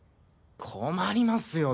困りますよ